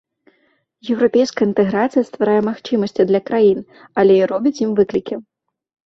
Еўрапейская інтэграцыя стварае магчымасці для краін, але і робіць ім выклікі.